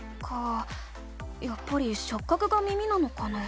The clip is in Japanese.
やっぱりしょっ角が耳なのかな？